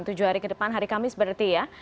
tujuh hari ke depan hari kamis berarti ya